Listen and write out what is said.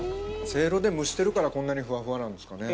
せいろで蒸してるからこんなにふわふわなんですかね。